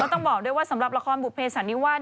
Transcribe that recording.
ต้องบอกด้วยว่าสำหรับละครบุภเสันนิวาส